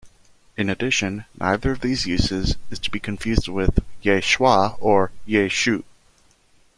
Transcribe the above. In addition, neither of these uses is to be confused with Yeshua or Yeshu.